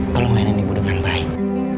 tolong layanin ibu dengan baik